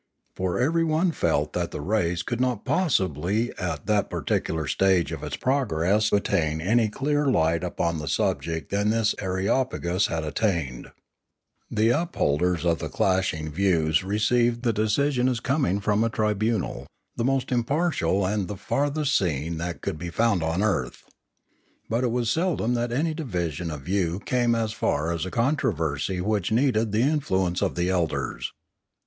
For everyone felt that the race could not possibly at that particular stage of its progress attain to any clearer light upon the subject than this areopagus had attained. Polity Si7 The upholders of the clashing views received the de cision as coming from a tribunal, the most impartial and the farthest seeing that could be found on earth. But it was seldom that any division of view came as far as a controversy which needed the influence of the elders.